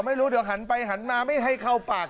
ไม่รู้เดี๋ยวหันไปหันมาไม่ให้เข้าปาก